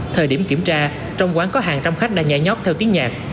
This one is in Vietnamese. thời điểm kiểm tra trong quán có hàng trăm khách đang nhạy nhót theo tiếng nhạc